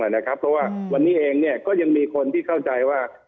เพราะว่าวันนี้เองก็ยังมีคนที่เข้าใจว่า